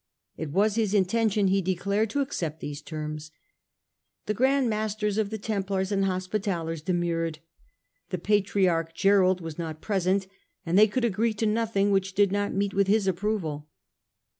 It was his intention, he declared, to accept these terms. The Grand Masters of the Templars and Hospitallers demurred : the Patriarch Gerold was not present, and they could agree to nothing which did not meet with his approval.